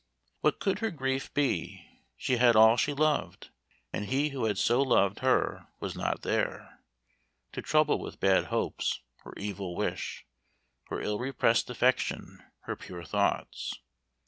"What could her grief be? she had all she loved, And he who had so loved her was not there To trouble with bad hopes, or evil wish, Or ill repress'd affection, her pure thoughts.